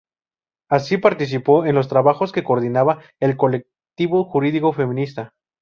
Así, participó en los trabajos que coordinaba el Colectivo Jurídico Feminista.